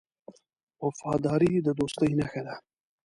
وفاداري د دوستۍ نښه ده.